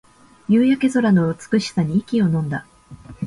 夕焼け空の美しさに息をのんだ